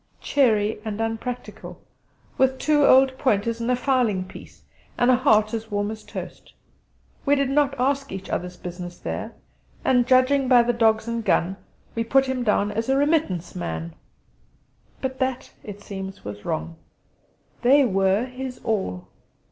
Cheery and unpractical, with two old pointers and a fowling piece, and a heart as warm as toast. We did not ask each other's business there; and, judging by the dogs and gun, we put him down as a 'remittance man.' But that, it seems, was wrong. They were his all.